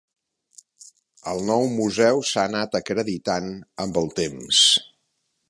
El nou museu s'ha anat acreditant amb el temps.